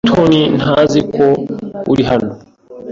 Mutoni ntazi ko uri hano.